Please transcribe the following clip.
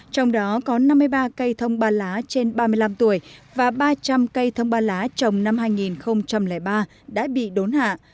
trong đó có năm mươi ba cây thông ba lá trên ba mươi năm tuổi và ba trăm linh cây thông ba lá trồng năm hai nghìn ba đã bị đốn hạ